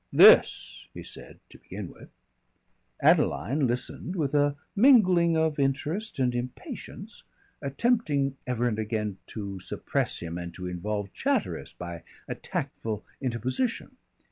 "This," he said to begin with. Adeline listened with a mingling of interest and impatience, attempting ever and again to suppress him and to involve Chatteris by a tactful interposition.